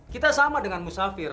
kita sama dengan musafir